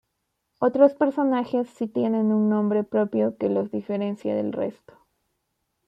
Otros personajes sí tienen un nombre propio que los diferencia del resto.